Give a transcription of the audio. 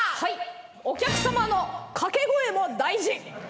お客様のかけ声も大事。